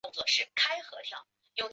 皇宫的第一层是厨房和侍从的房间。